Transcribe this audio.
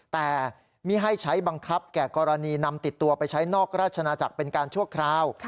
แต่ไม่ให้ใช้บังคับแก่กรณีนำติดตัวไปใช้นอกราชนาจักรเป็นการชั่วคราว